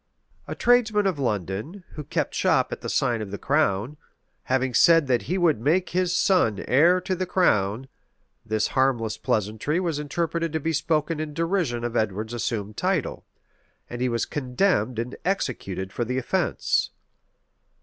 A tradesman of London, who kept shop at the sign of the Crown, having said that he would make his son heir to the crown; this harmless pleasantry was interpreted to be spoken in derision of Edward's assumed title; and he was condemned and executed for the offence.